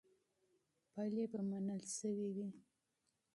پایلې به تایید شوې وي.